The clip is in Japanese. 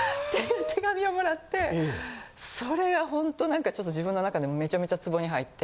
手紙を貰ってそれがホントなんかちょっと自分の中でめちゃめちゃツボに入って。